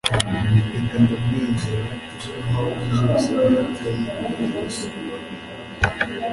reka ndamwenyure kubwimpamvu zose ntabwo arimwe gusa